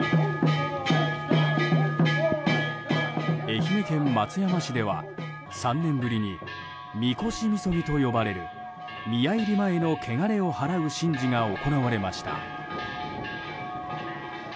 愛媛県松山市では３年ぶりに神輿みそぎと呼ばれる宮入前の汚れをはらう神事が行われました。